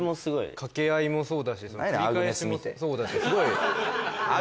掛け合いもそうだし。